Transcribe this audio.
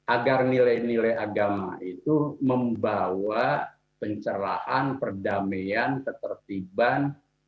agar nilai nilai agama itu membawa pencerahan perdamaian ketertiban